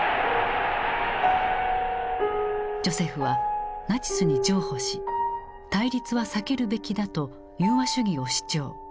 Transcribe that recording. ジョセフはナチスに譲歩し対立は避けるべきだと宥和主義を主張。